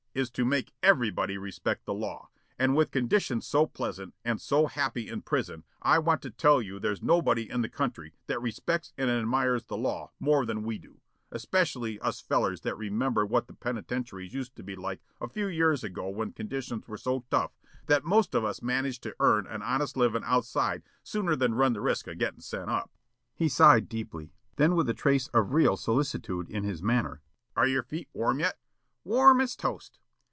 " is to make EVERYBODY respect the law. And with conditions so pleasant and so happy in the prison I want to tell you there's nobody in the country that respects and admires the law more than we do, 'specially us fellers that remember what the penitentiaries used to be like a few years ago when conditions were so tough that most of us managed to earn an honest livin' outside sooner than run the risk of gettin' sent up." He sighed deeply. Then with a trace of real solicitude in his manner: "Are your feet warm yet?" "Warm as toast.